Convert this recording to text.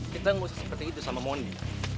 kita nggak usah seperti itu sama moni